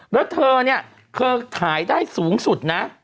แล้วเธอเนี่ยเคยขายได้สูงสุดนะ